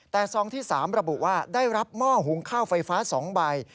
แต่ซองที่๓ระบุว่าได้รับหม้อหุงข้าวไฟฟ้า๒ใบ